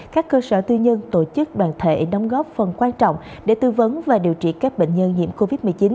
các cơ sở tư nhân tổ chức đoàn thể đóng góp phần quan trọng để tư vấn và điều trị các bệnh nhân nhiễm covid một mươi chín